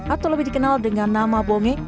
atau lebih dikenal dengan nama bomi